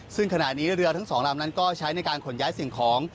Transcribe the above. ซึ่งขณะนี้เรือทั้งสองลำนั้นก็ใช้ในการขนย้ายสิ่งของ